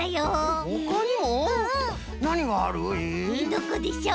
どこでしょう？